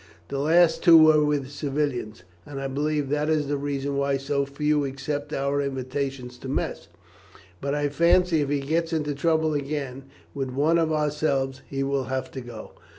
The last two were with civilians, and I believe that is the reason why so few accept our invitations to mess; but I fancy if he gets into trouble again with one of ourselves he will have to go."